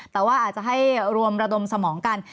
แต่ว่าอาจจะให้รวมระดมสมองกัน